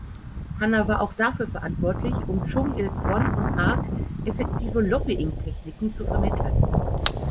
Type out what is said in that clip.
Hanna war auch dafür verantwortlich, um Chung Il-kwon und Park effektive Lobbying-Techniken zu vermitteln.